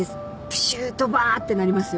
プシュードバーッてなりますよ。